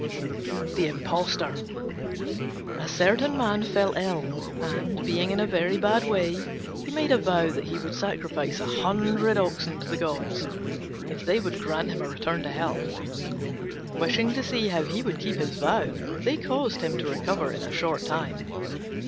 THE IMPOSTOR A certain man fell ill, and, being in a very bad way, he made a vow that he would sacrifice a hundred oxen to the gods if they would grant him a return to health. Wishing to see how he would keep his vow, they caused him to recover in a short time.